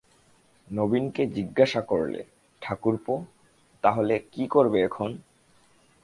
নবীনকে জিজ্ঞাসা করলে, ঠাকুরপো, তা হলে কী করবে এখন?